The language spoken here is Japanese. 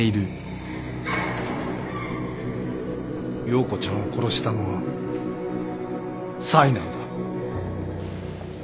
葉子ちゃんを殺したのはサイなんだ。